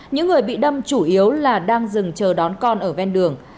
những người bị đâm chủ yếu là đang dừng chờ đón con ở ven đường